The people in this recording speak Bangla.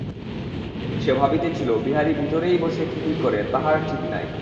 সে ভাবিতেছিল, বিহারী ভিতরেই বসে কি কী করে, তাহার ঠিক নাই।